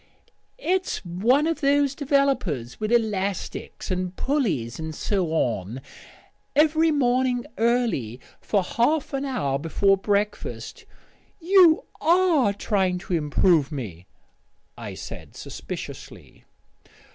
"It's one of those developers with elastics and pulleys and so on. Every morning early, for half an hour before breakfast " "You are trying to improve me," I said suspiciously.